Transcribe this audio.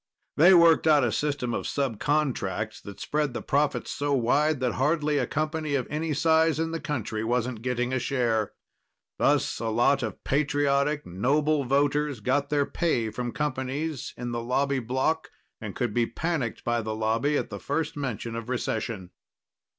They worked out a system of subcontracts that spread the profits so wide that hardly a company of any size in the country wasn't getting a share. Thus a lot of patriotic, noble voters got their pay from companies in the lobby block and could be panicked by the lobby at the first mention of recession.